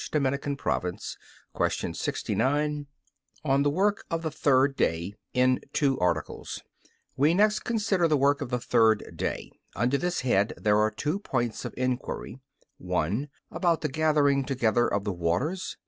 _______________________ QUESTION 69 ON THE WORK OF THE THIRD DAY (In Two Articles) We next consider the work of the third day. Under this head there are two points of inquiry: (1) About the gathering together of the waters.